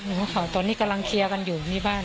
โม้เข่าตอนนี้กำลังเคียงบ้านอยู่